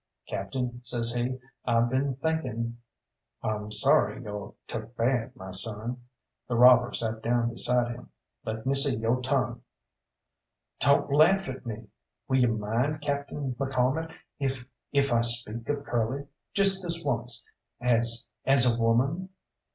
"Captain," says he, "I've been thinking." "I'm sorry yo're took bad, my son." The robber sat down beside him. "Let me see yo' tongue." "Don't laugh at me. Will you mind, Captain McCalmont if if I speak of Curly just this once as as a woman?"